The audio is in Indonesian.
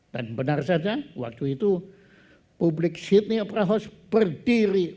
dan benar saja waktu itu publik sydney opera house berdiri